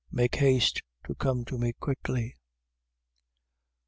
Make haste to come to me quickly.